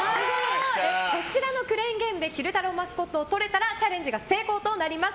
こちらのクレーンゲームで昼太郎マスコットを取れたらチャレンジ成功となります。